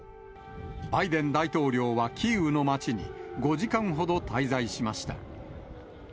バイデン大統領はキーウの街に５時間ほど滞在しました。